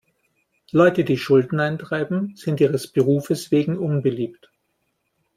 Leute, die Schulden eintreiben, sind ihres Berufes wegen unbeliebt.